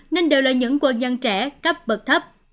nên đều là những quân nhân trẻ cấp bậc thấp